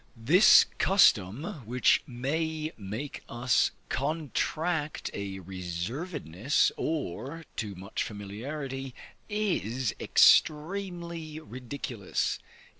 This custom, which may make us contract a reservedness or too much familiarity, is extremely ridiculous.